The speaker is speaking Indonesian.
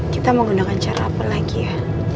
kita mau gunakan cara apa lagi ya